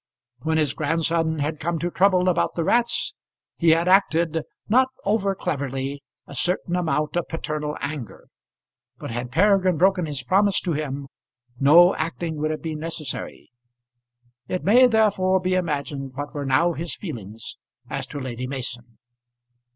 When his grandson had come to trouble about the rats, he had acted, not over cleverly, a certain amount of paternal anger; but had Peregrine broken his promise to him, no acting would have been necessary. It may therefore be imagined what were now his feelings as to Lady Mason.